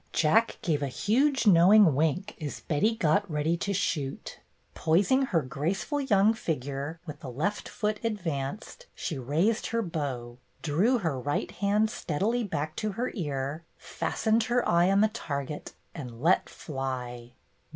Jack gave a huge knowing wink as Betty got ready to shoot. Poising her graceful young figure, with the left foot advanced, she raised her bow, drew her right hand steadily back to her ear, fast ened her eye on the target, and let fly.